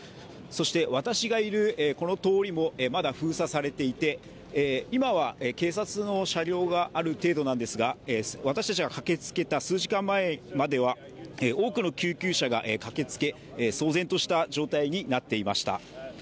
そして私がいるこの通りも、まだ封鎖されていて、今は警察の車両がある程度なんですが私たちが駆けつけた数時間前までは、多くの救急車が駆けつけ騒然とした状態になっていました。